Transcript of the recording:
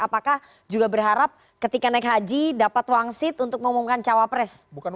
apakah juga berharap ketika naik haji dapat wangsit untuk ngomongkan cawapres